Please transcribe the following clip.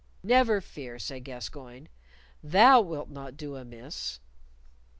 "Never fear," said Gascoyne; "thou wilt not do amiss."